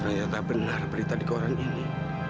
ternyata benar berita di koran ini